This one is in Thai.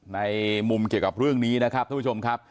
ในมุมเกี่ยวกับเรื่องนี้นะครับท่านผู้ชมครับ